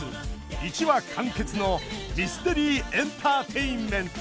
１話完結のミステリー・エンターテインメント！